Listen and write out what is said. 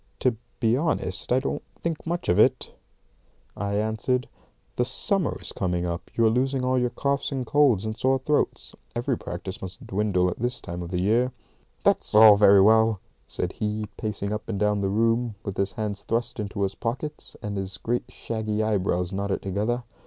"To be honest, I don't think much of it," I answered. "The summer is coming on. You are losing all your coughs and colds and sore throats. Every practice must dwindle at this time of year." "That's all very well," said he, pacing up and down the room, with his hands thrust into his pockets, and his great shaggy eyebrows knotted together.